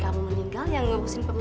tunggu tunggu tunggu